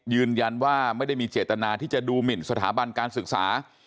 ยืนยันว่าไม่ได้มีเจตนาที่จะดูหมินสถาบันการศึกษา